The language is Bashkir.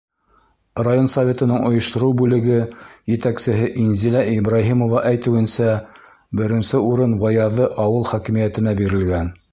Район Советының ойоштороу бүлеге етәксеһе Инзилә Ибраһимова әйтеүенсә, беренсе урын Вояҙы ауыл хакимиәтенә бирелгән.